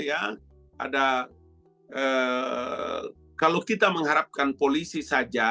ada kalau kita mengharapkan polisi saja